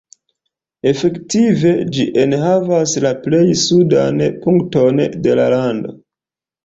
Efektive ĝi enhavas la plej sudan punkton de la lando.